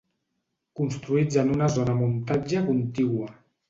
Construïts en una zona muntatge contigua.